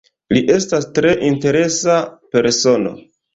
Li estas tre interesa persono.